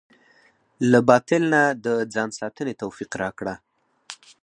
له باطل نه د ځان ساتنې توفيق راکړه.